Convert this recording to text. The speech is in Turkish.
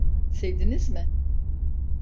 Sevdiniz mi?